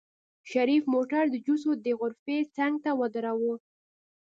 شريف موټر د جوسو د غرفې څنګ ته ودروه.